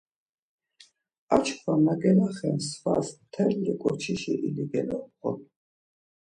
Ar çkva na gelaxen svas mteli ǩoçişi ili gelobğun.